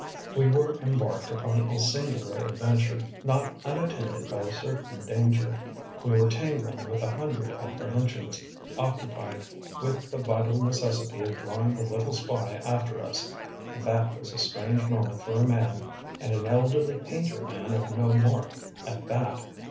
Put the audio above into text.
We were embarked upon a singular adventure, not unattended by a certain danger; we were tingling with a hundred apprehensions, occupied with the vital necessity of drawing the little spy after us and that was a strange moment for a man (and an elderly painter man of no mark, at that!)